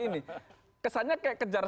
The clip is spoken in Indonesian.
ini kesannya kayak kejar